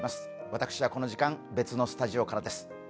私はこの時間、別のスタジオからです。